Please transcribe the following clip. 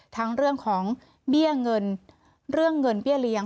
ทั้งเรื่องของเบี้ยเงิน